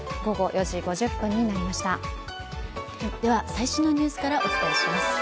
最新のニュースからお伝えします。